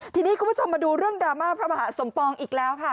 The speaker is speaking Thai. ทีนี้คุณผู้ชมมาดูเรื่องดราม่าพระมหาสมปองอีกแล้วค่ะ